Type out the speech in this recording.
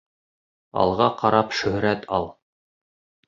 Алға ҡарап шөһрәт ал.